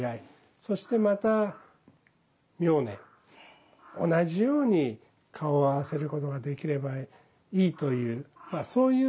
そしてまた明年同じように顔を合わせることができればいいというまあそういう一つの節目です。